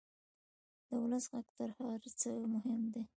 د ولس غږ تر هر څه مهم دی.